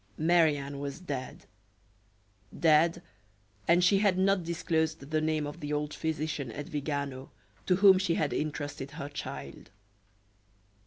Marie Anne was dead dead, and she had not disclosed the name of the old physician at Vigano to whom she had intrusted her child.